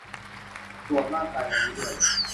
ตรวจร่างกาย วันนี้ด้วย